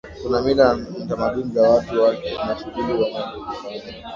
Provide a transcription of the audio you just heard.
Kuna mila na tamaduni za watu wake na shughuli wanazozifanya